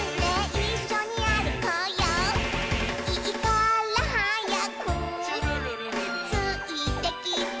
「いいからはやくついてきて」